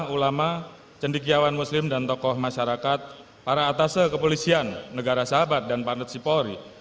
ulama cendikiawan muslim dan tokoh masyarakat para atase kepolisian negara sahabat dan pandet sipori